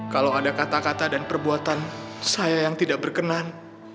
kalau ada kata kata dan perbuatan saya yang tidak berkenan